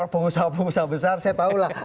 pengusaha pengusaha besar saya tahu lah